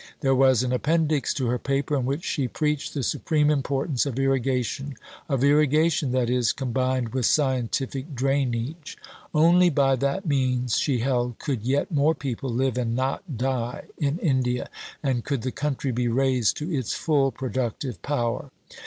There was an Appendix to her Paper in which she preached the supreme importance of Irrigation of irrigation, that is, combined with scientific drainage. Only by that means, she held, could yet more people "live and not die in India," and could the country be raised to its full productive power.